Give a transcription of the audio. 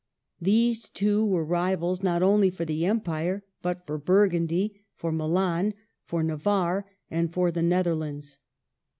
These two were rivals, not only for the Empire, but for Burgundy, for Milan, for Navarre, and for the Netherlands.